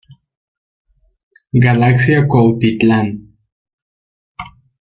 Galaxia Cuautitlán.